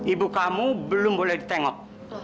ibu kamu belum boleh ditengok